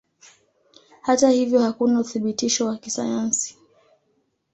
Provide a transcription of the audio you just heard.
Hata hivyo hakuna uthibitisho wa kisayansi.